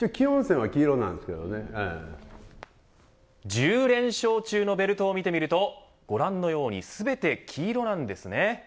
１０連勝中のベルトを見てみるとご覧のように全て黄色なんですね。